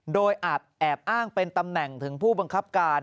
โดยอาจแอบอ้างเป็นตำแหน่งถึงผู้บังคับการ